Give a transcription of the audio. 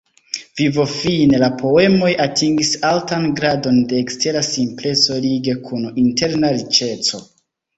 Vivofine, la poemoj atingis altan gradon de ekstera simpleco lige kun interna riĉeco.